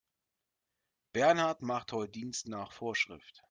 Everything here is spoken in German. Bernhard macht heute Dienst nach Vorschrift.